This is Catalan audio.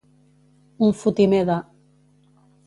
Un fotimer de.